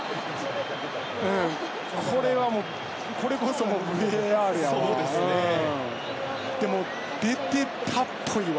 これはもうこれこそＶＡＲやわ。